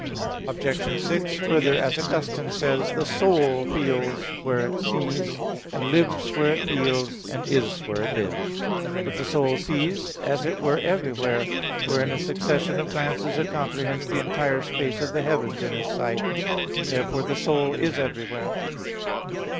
Obj. 6: Further, as Augustine says (Ep. 137), "The soul feels where it sees, and lives where it feels, and is where it lives." But the soul sees as it were everywhere: for in a succession of glances it comprehends the entire space of the heavens in its sight. Therefore the soul is everywhere.